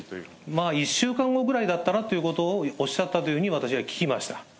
まあ、１週間ぐらいだったなということをおっしゃったというふうに、私は聞きました。